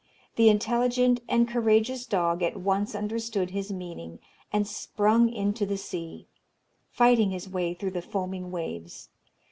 The intelligent and courageous dog at once understood his meaning, and sprung into the sea, fighting his way through the foaming waves.